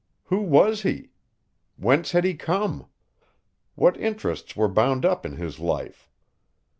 Who was he? Whence had he come? What interests were bound up in his life?